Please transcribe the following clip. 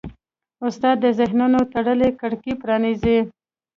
استاد د ذهنونو تړلې کړکۍ پرانیزي.